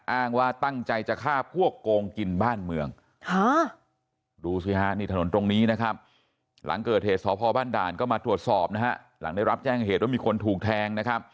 อ้างว่าตั้งใจจะฆ่าพวกโกงกินบ้านเมือง